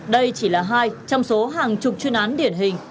đây chỉ là hai trong số hàng chục chuyên án điển hình